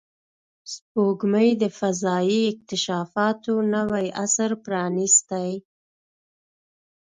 سپوږمۍ د فضایي اکتشافاتو نوی عصر پرانستی